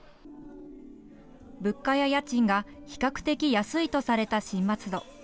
物価や家賃が比較的安いとされた新松戸。